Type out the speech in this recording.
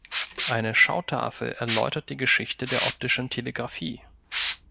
Eine Schautafel erläutert die Geschichte der optischen Telegrafie.